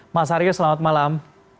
mas hario selamat malam